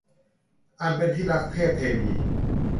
อันเป็นที่รัก - เทพเทวี